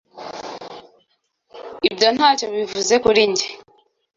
Ibyo ntacyo bivuze kuri njye.